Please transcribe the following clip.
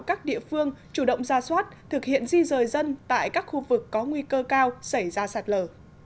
các địa phương chủ động ra soát thực hiện di rời dân tại các khu vực có nguy cơ cao xảy ra sạt lở